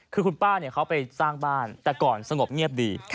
คือคุณป้าเขาไปสร้างบ้านแต่ก่อนสงบเงียบดี